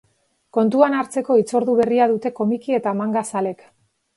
Kontuan hartzeko hitzordu berria dute komiki eta manga zaleek.